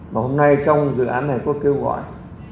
hôm nay trong dự án này có kêu gọi